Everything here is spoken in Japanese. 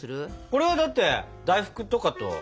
これはだって大福とかと。